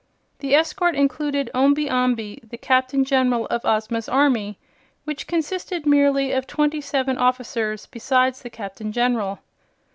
The escort included Omby Amby, the Captain General of Ozma's army, which consisted merely of twenty seven officers besides the Captain General.